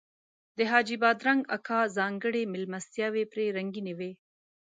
د حاجي بادرنګ اکا ځانګړي میلمستیاوې پرې رنګینې وې.